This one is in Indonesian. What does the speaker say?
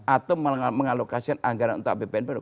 atau mengalokasikan anggaran untuk apbn